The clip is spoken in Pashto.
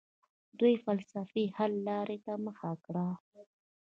دوی فلسفي حل لارې ته مخه کړه.